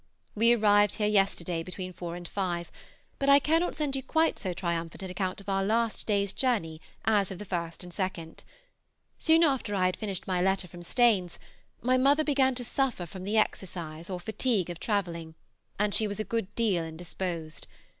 We arrived here yesterday between four and five, but I cannot send you quite so triumphant an account of our last day's journey as of the first and second. Soon after I had finished my letter from Staines, my mother began to suffer from the exercise or fatigue of travelling, and she was a good deal indisposed.